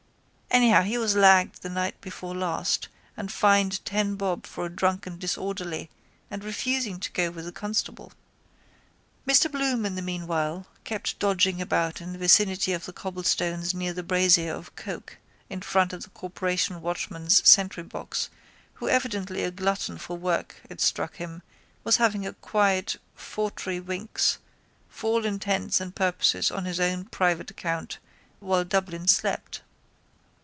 Anyhow he was lagged the night before last and fined ten bob for a drunk and disorderly and refusing to go with the constable. Mr Bloom in the meanwhile kept dodging about in the vicinity of the cobblestones near the brazier of coke in front of the corporation watchman's sentrybox who evidently a glutton for work, it struck him, was having a quiet forty winks for all intents and purposes on his own private account while Dublin slept.